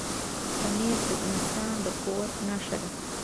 پنېر د انسان د قوت نښه ده.